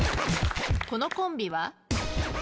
このコンビは？